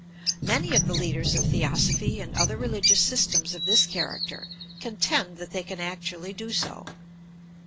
Many of the leaders of Theosophy and other religious systems of this character contend that they eau actually do so.